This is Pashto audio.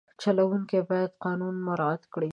چلوونکی باید قانون مراعت کړي.